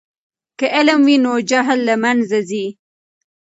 که علم وي نو جهل له منځه ځي.